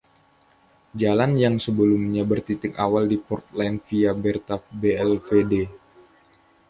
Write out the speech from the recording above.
Jalan yang sebelumnya bertitik awal di Portland via Bertha Blvd.